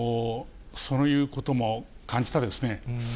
そういうことも感じたですね。